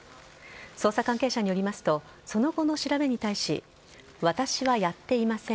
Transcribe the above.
捜査関係者によりますとその後の調べに対し私はやっていません